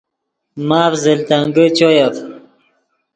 ماف زل تنگے چویف